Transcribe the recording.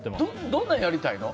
どんなのやりたいの？